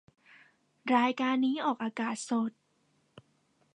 รายการนี้ออกอากาศสด